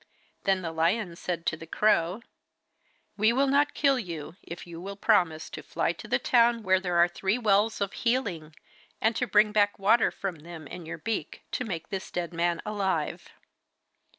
Then the lion said to the crow: 'We will not kill you if you will promise to fly to the town where there are three wells of healing and to bring back water from them in your beak to make this dead man alive.